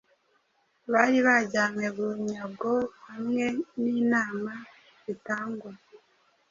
abari bajyanywe bunyagohamwe ninama zitangwa